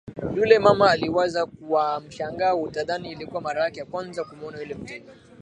yule mama aliwaza kwa mshangao utadhani ilikuwa mara yake ya kwanza kumuona yule mteja